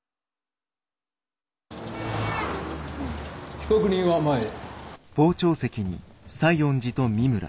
被告人は前へ。